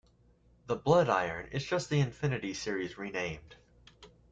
The "Bloodiron" is just the Infinity series renamed.